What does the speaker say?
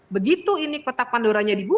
begitu ini ketak pandoranya dibuat